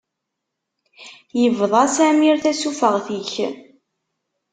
Yebḍa Samir tasufeɣt-ik.